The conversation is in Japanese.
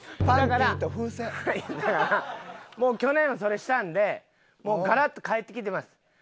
だからもう去年それしたんでガラッと変えてきてます。